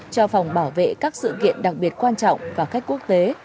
cho phòng bảo vệ các sự kiện đặc biệt quan trọng và khách quốc tế